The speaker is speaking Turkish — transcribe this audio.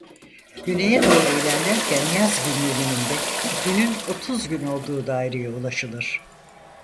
Güneye doğru ilerlerken yaz gündönümünde günün otuz gün olduğu daireye ulaşılır.